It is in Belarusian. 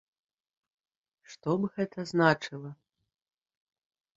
Што б гэта значыла?